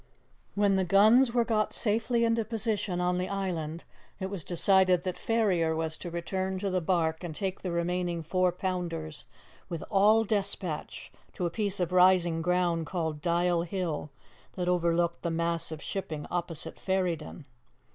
When the guns were got safely into position on the island it was decided that Ferrier was to return to the barque and take the remaining four pounders with all despatch to a piece of rising ground called Dial Hill, that overlooked the mass of shipping opposite Ferryden.